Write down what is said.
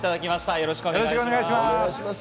よろしくお願いします。